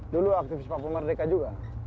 dulu aktivis papua merdeka juga